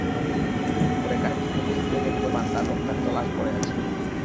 পরে কাশেমের কক্ষে গিয়ে দেখতে পান তাঁর রক্তাক্ত লাশ পড়ে আছে।